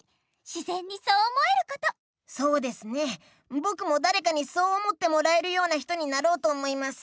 ぼくもだれかにそう思ってもらえるような人になろうと思います。